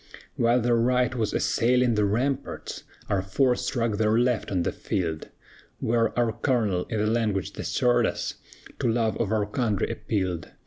"While their right was assailing the ramparts, Our force struck their left on the field, Where our colonel, in language that stirred us, To love of our country appealed.